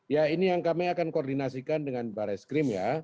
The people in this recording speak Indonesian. ya ini yang kami akan koordinasikan dengan baris krim ya